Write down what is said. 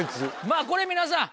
まぁこれ皆さん。